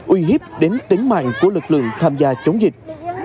uy hiếp đến tính mạng của lực lượng tham gia chống dịch